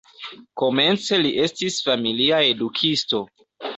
Komence li estis familia edukisto.